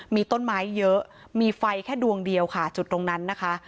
มีต้นไม้เยอะมีไฟแค่ดวงเดียวค่ะจุดตรงนั้นนะคะ